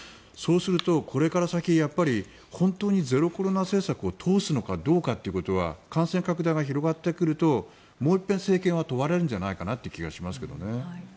そうすると、これから先本当にゼロコロナ政策を通すのかどうかっていうことは感染拡大が広がってくるともう一遍、政権は問われるんじゃないかなという気がしますけどね。